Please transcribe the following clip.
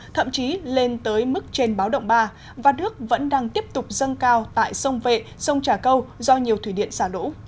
thậm chí lên tới mức trên báo động ba và nước vẫn đang tiếp tục dâng cao tại sông vệ sông trà câu do nhiều thủy điện xả lũ